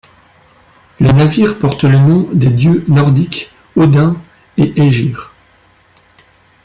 Les navires portent le nom des dieux nordiques Odin et Ægir.